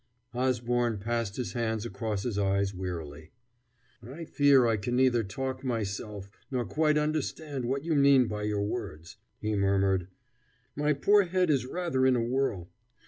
Osborne passed his hands across his eyes wearily. "I fear I can neither talk myself, nor quite understand what you mean by your words," he murmured. "My poor head is rather in a whirl.